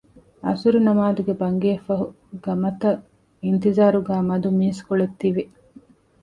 ޢަޞުރު ނަމާދުގެ ބަންގިއަށްފަހު ޤަމަތަށް އިންތިޒާރުގައި މަދު މީސްކޮޅެއް ތިވި